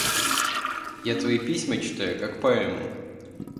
Я твои письма читаю, как поэму.